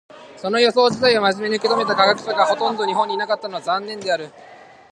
その予想自体を真面目に受け止めた科学者がほとんど日本にいなかったのは残念である。